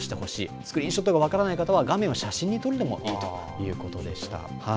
スクリーンショットが分からない方は画面を写真で撮るのもいいということでした。